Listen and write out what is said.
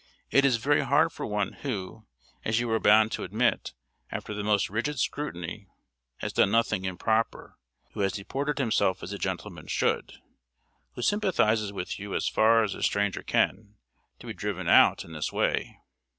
It is very hard for one who, as you are bound to admit, after the most rigid scrutiny, has done nothing improper, who has deported himself as a gentleman should, who sympathizes with you as far as a stranger can, to be driven out in this way."